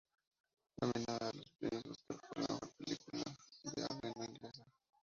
Nominada a los Premios Oscar por Mejor Película de habla no inglesa.